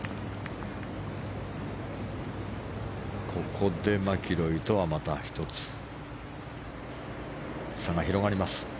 ここでマキロイとはまた１つ差が広がります。